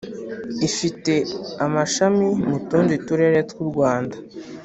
Ifite amashami mu tundi turere tw’u Rwanda